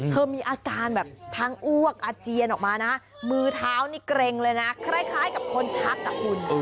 มีอาการแบบทั้งอ้วกอาเจียนออกมานะมือเท้านี่เกร็งเลยนะคล้ายกับคนชักอ่ะคุณ